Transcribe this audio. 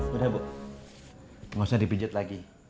udah bu gak usah dipijat lagi